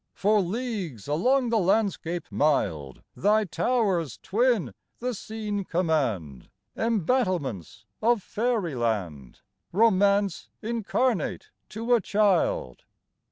For leagues along the landscape mild Thy towers twin the scene command, Embattlements of fairyland; Romance incarnate to a child.